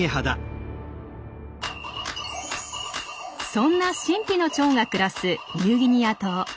そんな神秘のチョウが暮らすニューギニア島。